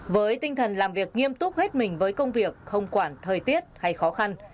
với tinh thần làm việc nghiêm túc hết mình với công việc không quản thời tiết hay khó khăn